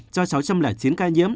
cho sáu trăm linh chín ca nhiễm